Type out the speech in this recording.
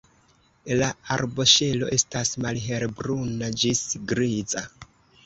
La arboŝelo estas malhelbruna ĝis griza.